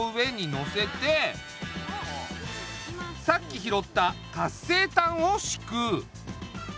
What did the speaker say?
さっき拾った活性炭をしく。